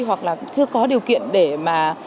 hoặc là chưa có điều kiện để mà